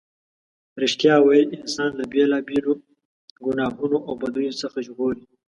رښتیا ویل انسان له بېلا بېلو گناهونو او بدیو څخه ژغوري.